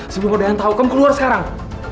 sebelum udah yang tau kamu keluar sekarang